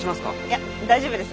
いや大丈夫です。